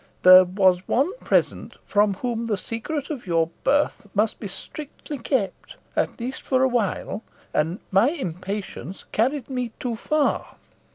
There was one present from whom the secret of your birth must be strictly kept at least, for awhile and my impatience carried me too far."